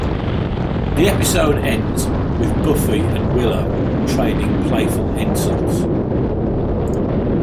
The episode ends with Buffy and Willow trading playful insults.